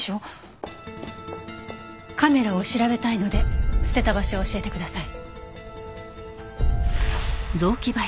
カメラを調べたいので捨てた場所を教えてください。